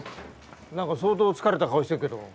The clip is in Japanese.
何か相当疲れた顔してるけど。